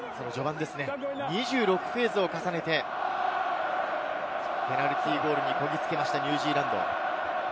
序盤は２６フェーズを重ねて、ペナルティーゴールにこぎつけました、ニュージーランド。